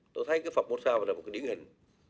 tôi thấy cái phạm một sao là một cái điển hình